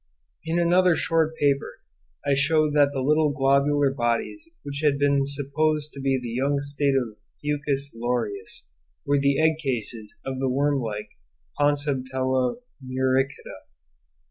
In another short paper I showed that the little globular bodies which had been supposed to be the young state of Fucus loreus were the egg cases of the wormlike Pontobdella muricata.